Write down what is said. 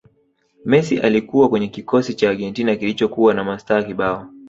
messi alikuwa kwenye kikosi cha argentina kilichokuwa na mastaa kibao